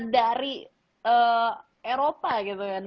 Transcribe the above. dari eropa gitu kan